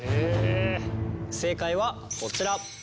正解はこちら。